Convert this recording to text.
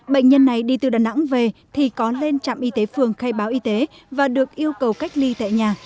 bệnh nhân này đi từ đà nẵng về thì có lên trạm y tế phường khai báo y tế và được yêu cầu cách ly tại nhà